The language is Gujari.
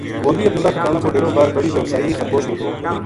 مولوی عبداللہ کھٹانہ کو ڈیرو بر بڑی دیواسئی خربوش ما تھو